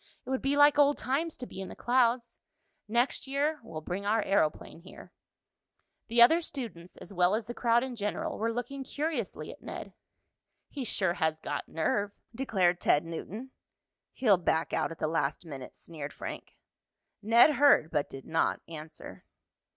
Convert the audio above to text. "It would be like old times to be in the clouds. Next year we'll bring our aeroplane here." The other students, as well as the crowd in general, were looking curiously at Ned. "He sure has got nerve," declared Ted Newton. "He'll back out at the last minute," sneered Frank. Ned heard but did not answer.